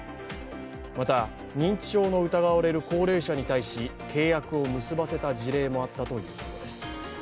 また、認知症の疑われる高齢者に対し契約を結ばせた事例もあったということです。